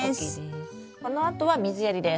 このあとは水やりです。